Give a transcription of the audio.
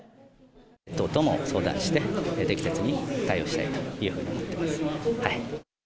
党とも相談して、適切に対応したいというふうに思っています。